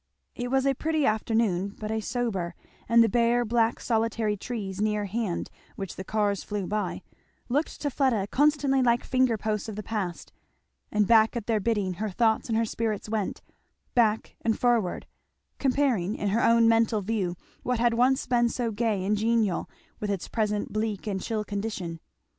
It was a pretty afternoon, but a sober; and the bare black solitary trees near hand which the cars flew by, looked to Fleda constantly like finger posts of the past; and back at their bidding her thoughts and her spirits went, back and forward, comparing, in her own mental view, what had once been so gay and genial with its present bleak and chill condition.